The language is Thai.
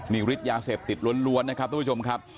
นี่ฤทธิยาเสพติดล้วนนะครับทุกผู้ชมครับ